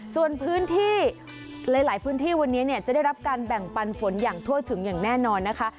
ส่วนพื้นที่หลายพื้นที่วันนี้จะได้รับการแบ่งปันฝนอย่างทั่วถึงอย่างแน่นอนนะคะ